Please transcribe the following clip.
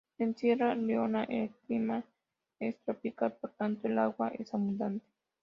En Sierra Leona, el clima es tropical, por tanto, el agua es abundante.